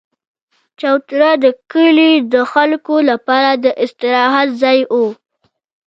چوتره د کلي د خلکو لپاره د استراحت ځای وو.